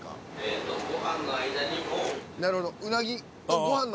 なるほど。